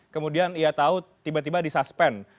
kemudian ia tahu tiba tiba disuspend